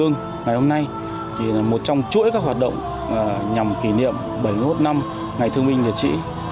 ngày hôm nay thì là một trong chuỗi các hoạt động nhằm kỷ niệm bảy mươi một năm ngày thương minh liệt sĩ